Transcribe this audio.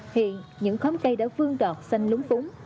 hiện những khóm cây đã vương đọt xanh lúng phúng